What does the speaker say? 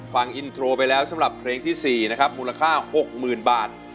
ฟังอินโทรไปแล้วสำหรับเพลงที่๔นะครับมูลค่า๖๐๐๐บาท